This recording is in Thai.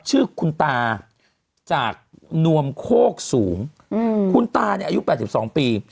ชื่อคุณตาจากนวมโคกสูงอืมคุณตาเนี้ยอายุแปดสิบสองปี